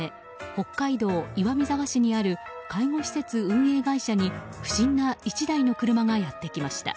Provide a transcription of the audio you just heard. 北海道岩見沢市にある介護施設運営会社に不審な１台の車がやってきました。